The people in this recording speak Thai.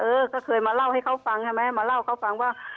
เออก็เคยมาเล่าให้เขาฟังใช่ไหมมาเล่าเขาฟังว่า